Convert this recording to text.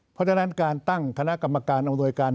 เพราะฉะนั้นการตั้งคณะกรรมการอำนวยการ